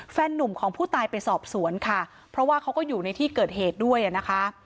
นุ่มของผู้ตายไปสอบสวนค่ะเพราะว่าเขาก็อยู่ในที่เกิดเหตุด้วยอ่ะนะคะ